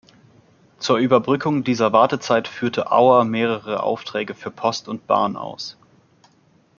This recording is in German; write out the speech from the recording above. Zur Überbrückung dieser Wartezeit führte Auer mehrere Aufträge für Post und Bahn aus.